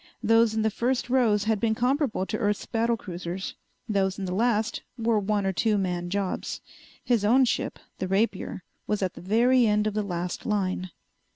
Those in the first rows had been comparable to Earth's battle cruisers, those in the last were one or two man jobs. His own ship, the Rapier, was at the very end of the last line.